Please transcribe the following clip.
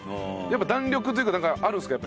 やっぱ弾力というかあるんですか？